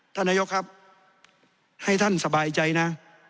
ท่านนายกครับให้ท่านสบายใจนะ